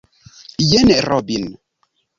Jen Robin